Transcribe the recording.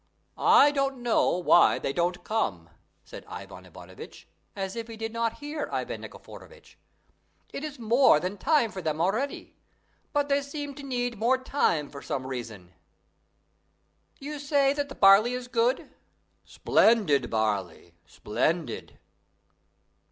"I don't know why they don't come," said Ivan Ivanovitch, as if he did not hear Ivan Nikiforovitch; "it is more than time for them already; but they seem to need more time for some reason." "You say that the barley is good?" "Splendid barley, splendid!"